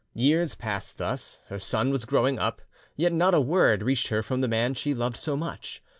Years passed thus; her son was growing up, yet not a word reached her from the man she loved so much.